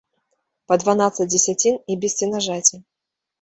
Па дванаццаць дзесяцін і без сенажаці.